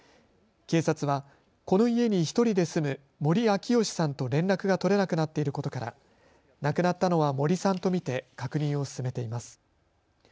警察はこの家に１人で住む森昭義さんと連絡が取れなくなっていることから亡くなったのは森さんと見て確認を進めています。